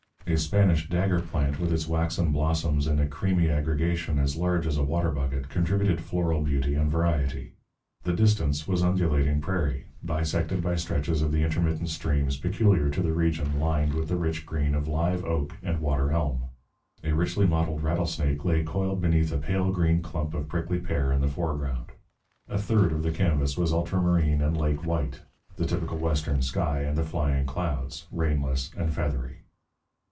A Spanish dagger plant, with its waxen blossoms in a creamy aggregation as large as a water bucket, contributed floral beauty and variety. The distance was undulating prairie, bisected by stretches of the intermittent streams peculiar to the region lined with the rich green of live oak and water elm. A richly mottled rattlesnake lay coiled beneath a pale green clump of prickly pear in the foreground. A third of the canvas was ultramarine and lake white the typical Western sky and the flying clouds, rainless and feathery.